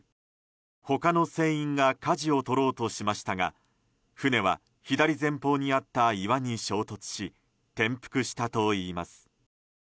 他の船員がかじを取ろうとしましたが船は左前方にあった岩に衝突し転覆したといいます。